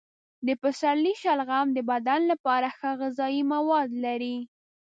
د پسرلي شلغم د بدن لپاره ښه غذايي مواد لري.